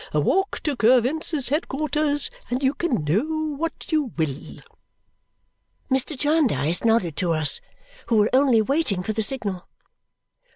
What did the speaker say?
A walk to Coavinses' headquarters, and you can know what you will." Mr. Jarndyce nodded to us, who were only waiting for the signal.